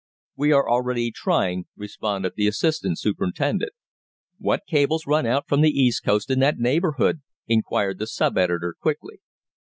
"We are already trying," responded the assistant superintendent. "What cables run out from the east coast in that neighbourhood?" inquired the sub editor quickly.